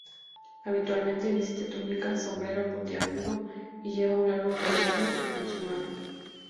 Habitualmente viste túnica, sombrero puntiagudo y lleva un largo cayado en su mano.